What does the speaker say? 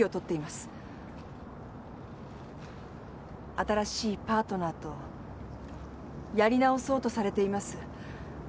新しいパートナーとやり直そうとされています。